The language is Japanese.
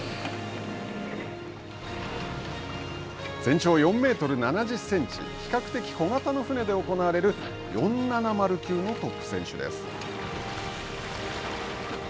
全長４メートル７０センチ比較的小型の船で行われる４７０級のトップ選手です。